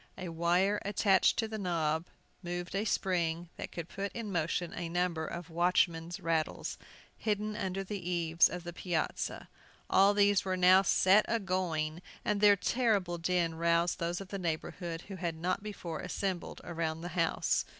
A wire attached to the knob moved a spring that could put in motion a number of watchmen's rattles, hidden under the eaves of the piazza. All these were now set a going, and their terrible din roused those of the neighborhood who had not before assembled around the house.